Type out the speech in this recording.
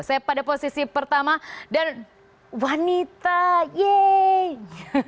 saya pada posisi pertama dan wanita ye